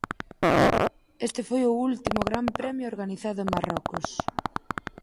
Este foi o último Gran Premio organizado en Marrocos.